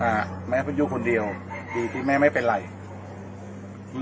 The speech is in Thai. อ่าแม่ก็อยู่คนเดียวดีที่แม่ไม่เป็นไรอืม